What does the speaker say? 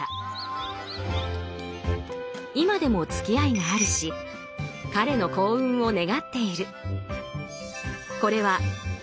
今でもつきあいがあるし彼の幸運を願っている。